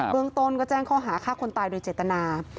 เมืองต้นก็แจ้งข้อหาฆ่าคนตายโดยเจตนา